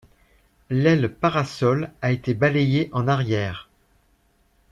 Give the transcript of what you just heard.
L'aile parasol a été balayé en arrière.